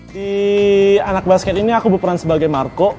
di anak basket ini aku berperan sebagai marco